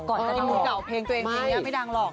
ก่อนกระดิ่มดูเดาเพลงตัวเองไม่ดังหรอก